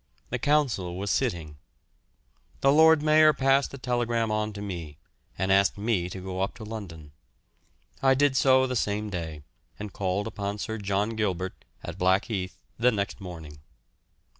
The Council was sitting. The Lord Mayor passed the telegram on to me, and asked me to go up to London. I did so the same day, and called upon Sir John Gilbert, at Blackheath, the next morning.